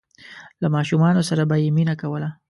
له ماشومانو سره به یې مینه کوله.